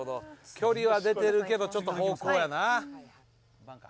距離は出てるけどちょっと方向やな。